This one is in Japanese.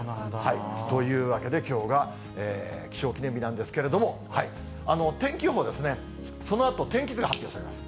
というわけで、きょうが気象記念日なんですけれども、天気予報ですね、そのあと、天気図が発表されます。